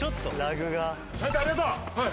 斉藤ありがとう！